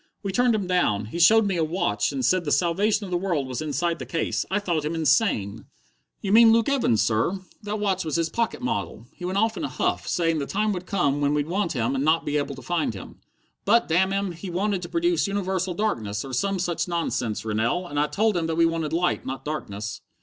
We turned him down! He showed me a watch and said the salvation of the world was inside the case! I thought him insane!" "You mean Luke Evans, sir. That watch was his pocket model. He went off in a huff, saying the time would come when we'd want him and not be able to find him." "But, damn him, he wanted to produce universal darkness, or some such nonsense, Rennell, and I told him that we wanted light, not darkness."